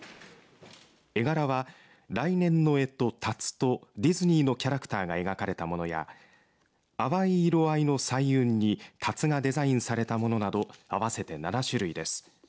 絵柄は来年のえと、たつとディズニーのキャラクターが描かれたものや淡い色合いの彩雲にたつがデザインされたものなど合わせて７種類です。